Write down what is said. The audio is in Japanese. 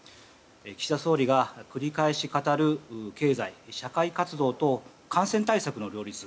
岸田総理が繰り返し語る経済・社会活動と感染対策の両立。